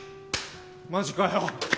マジかよ！